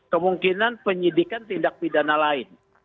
kemungkinan penyidikan tindak pidana lain